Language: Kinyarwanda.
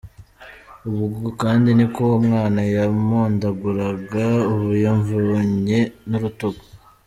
Ubwo kandi niko uwo mwana yampondaguraga, ubu yamvunnye n’urutugu.